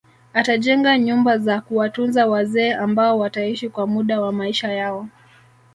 Atajenga nyumba za kuwatunza wazee ambao wataishi kwa muda wa maisha yao